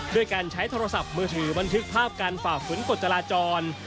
ด้วยการใช้โทรศัพท์มือถือบันทึกภาพการฝ่าฝืนกฎจราจร